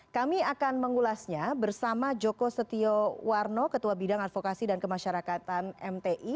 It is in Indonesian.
kami akan mengulasnya bersama joko setio warno ketua bidang advokasi dan kemasyarakatan mti